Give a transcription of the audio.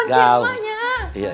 udah dikunci rumahnya